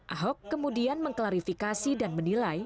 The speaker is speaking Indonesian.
ahok kemudian mengklarifikasi dan menilai